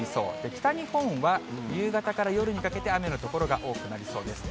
北日本は夕方から夜にかけて雨の所が多くなりそうです。